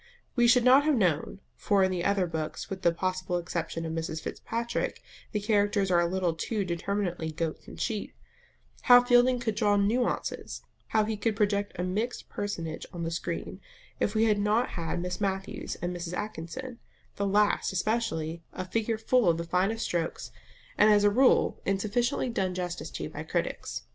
We should not have known (for in the other books, with the possible exception of Mrs. Fitzpatrick, the characters are a little too determinately goats and sheep) how Fielding could draw nuances, how he could project a mixed personage on the screen, if we had not had Miss Matthews and Mrs. Atkinson the last especially a figure full of the finest strokes, and, as a rule, insufficiently done justice to by critics.